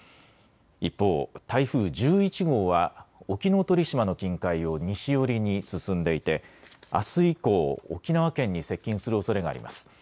一方、台風１１号は沖ノ鳥島の近海を西寄りに進んでいてあす以降、沖縄県に接近するおそれがあります。